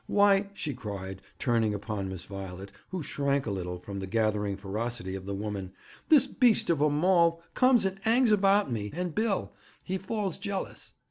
Why,' she cried, turning upon Miss Violet, who shrank a little from the gathering ferocity of the woman, 'this beast of a Maul comes and 'angs about me, and Bill, he falls jealous.